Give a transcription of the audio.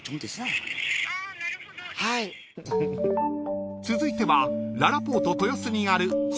［続いてはららぽーと豊洲にある］